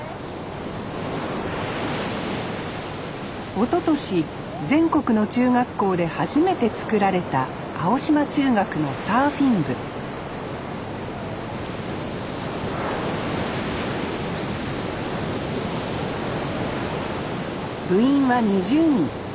おととし全国の中学校で初めて作られた青島中学のサーフィン部部員は２０人。